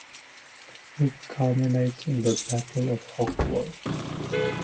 The book culminates in the Battle of Hogwarts.